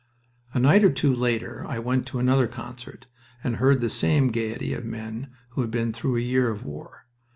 A night or two later I went to another concert and heard the same gaiety of men who had been through a year of war.